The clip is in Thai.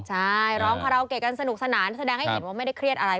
ใช่ร้องคาราโอเกะกันสนุกสนานแสดงให้เห็นว่าไม่ได้เครียดอะไร